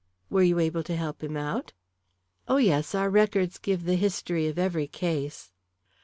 "Were you able to help him out?" "Oh, yes; our records give the history of every case."